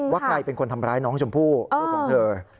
ว่าใครเป็นคนทำร้ายน้องชมพู่ลูกของเธอ